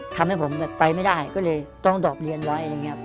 ทำให้ผมไปไม่ได้ก็เลยต้องดอกเรียนไว้